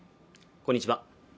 こんにちは